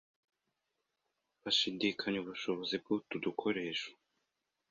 bashidikanya ubushobozi bw'utu dukoresho